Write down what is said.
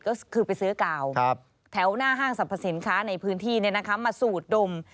ก็คือไปซื้อกาวแถวหน้าห้างสรรพสินค้าในพื้นที่มาสูดดม